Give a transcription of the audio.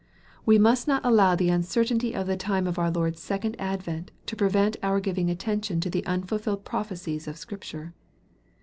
We must not allow the uncer tainty of the time of our Lord's second advent to prevent our giving attention to the unfulfilled prophecies of Scrip ture.